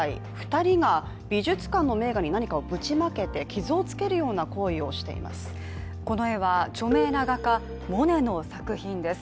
２人が美術館の名画に何かをぶちまけて傷をつけるような行為をしています。